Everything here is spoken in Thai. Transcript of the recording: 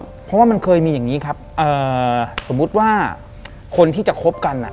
เพราะว่ามันเคยมีอย่างงี้ครับเอ่อสมมุติว่าคนที่จะคบกันอ่ะ